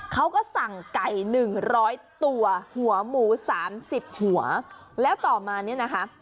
เขาก็สั่งไก่๑๐๐ตัวหัวหมูสามสิบหัวแล้วต่อมาเนี่ยนะคะ